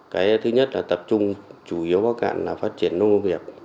cái thứ nhất là tập trung chủ yếu bắc cạn là phát triển nông nghiệp